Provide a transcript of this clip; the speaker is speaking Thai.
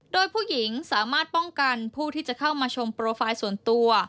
โดยผู้หญิงสามารถป้องกันผู้ที่จะเข้ามาชมโปรไฟล์ส่วนตัว